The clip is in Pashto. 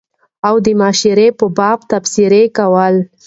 او دمشاعرې په باب تبصرې کول